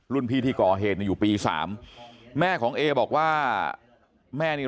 พี่ที่ก่อเหตุอยู่ปี๓แม่ของเอบอกว่าแม่นี่